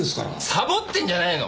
さぼってんじゃないの。